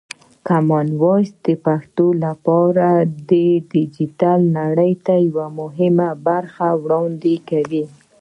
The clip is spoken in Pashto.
کامن وایس د پښتو لپاره د ډیجیټل نړۍ ته یوه مهمه برخه وړاندې کوي.